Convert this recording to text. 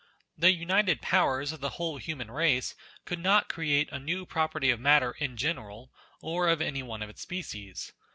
The united powers of the whole human race could not create a new property of matter in general, or of any one of its species.